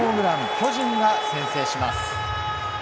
巨人が先制します。